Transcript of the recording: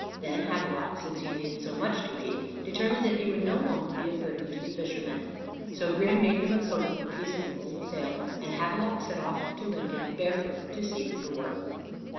Then Havelok, since he needed so much to eat, determined that he would no longer be a burden to the fisherman. So Grim made him a coat of a piece of an old sail, and Havelok set off to Lincoln barefoot to seek for work.